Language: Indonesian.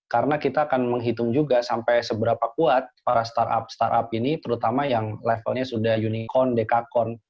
karena kita akan menghitung juga sampai seberapa kuat para startup startup ini terutama yang levelnya sudah unicorn dekakorn